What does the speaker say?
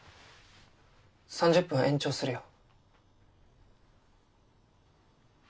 ３０分延長するよ。